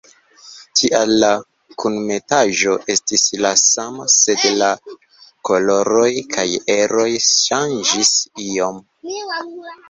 Tial la kunmetaĵo estis la sama, sed la koloroj kaj eroj ŝanĝis iom.